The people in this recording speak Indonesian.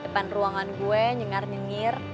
depan ruangan gue nyengar nyenggir